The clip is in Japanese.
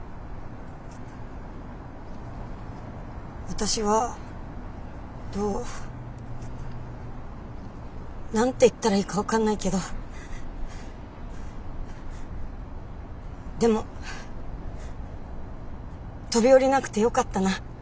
私はどう何て言ったらいいか分かんないけどでも飛び降りなくてよかったな。